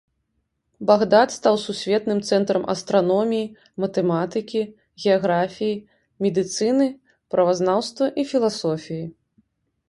Багдад стаў сусветным цэнтрам астраноміі, матэматыкі, геаграфіі, медыцыны, правазнаўства і філасофіі.